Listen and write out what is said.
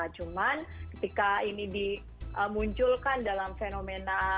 cuman ketika ini dimunculkan dalam fenomena